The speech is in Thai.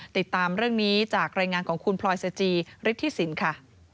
ติดตามเรื่องนี้จากรายงานของคุณพลอยสจิฤทธิสินค่ะ